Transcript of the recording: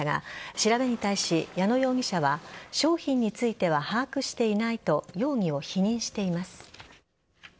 調べに対し、矢野容疑者は商品については把握していないと容疑を否認しています。